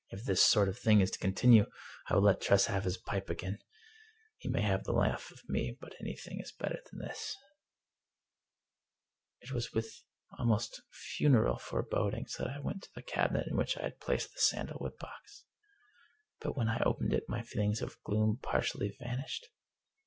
" If this sort of thing is to continue, I will let Tress have his pipe again. He may have the laugh of me, but anything is better than this." It was with almost funereal forebodings that I went to the cabinet in which I had placed the sandalwood box. But when I opened it my feelings of gloom partially vanished.